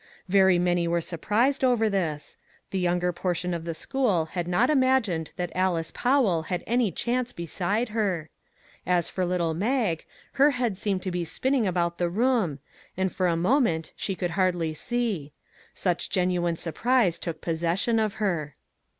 Very many were surprised over this; the younger portion of the school had not imagined that Alice Powell had any chance beside her. As for little Mag, her head seemed to be spinning about the room, and for a mbment she could hardly see; such genuine surprise took possession of her.